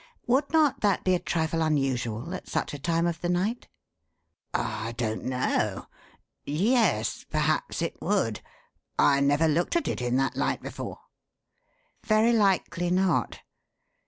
Would not that be a trifle unusual at such a time of the night?" "I don't know. Yes perhaps it would. I never looked at it in that light before." "Very likely not.